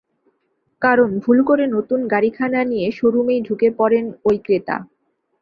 কারণ ভুল করে নতুন গাড়িখানা নিয়ে শোরুমেই ঢুকে পড়েন ওই ক্রেতা।